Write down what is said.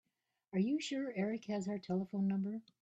Are you sure Erik has our telephone number?